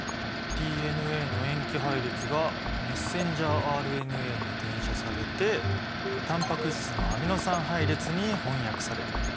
ＤＮＡの塩基配列がメッセンジャーＲＮＡに転写されてタンパク質のアミノ酸配列に翻訳される。